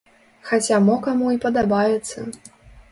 Хаця мо каму і падабаецца.